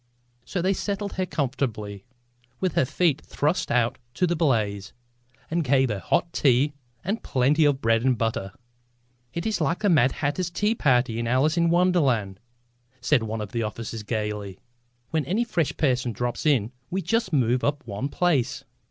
So they settled her comfortably, with her feet thrust out to the blaze, and gave her hot tea and plenty of bread and butter. "It is like the Mad Hatter's tea party in Alice in Wonderland," said one of the officers gaily. "When any fresh person drops in we just move up one place."